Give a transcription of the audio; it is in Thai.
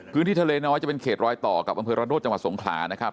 พื้นที่ทะเลน้อยจะเป็นเขตรอยต่อกับอำเภอระโนธจังหวัดสงขลานะครับ